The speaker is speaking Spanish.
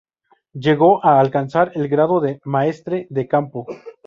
Llegó a alcanzar el grado de maestre de campo.